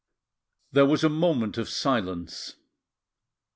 There was a moment of silence.